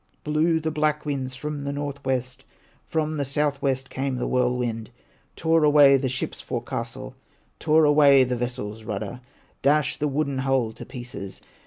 Blew the black winds from the north west, From the south east came the whirlwind, Tore away the ship's forecastle, Tore away the vessel's rudder, Dashed the wooden hull to pieces.